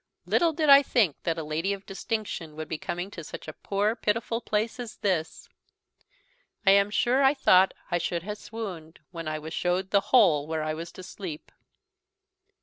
Little did I think that a lady of distinction would coming to such a poor pitiful place as this. I am sure I thought I should ha' swooned when I was showed the hole where I was to sleep."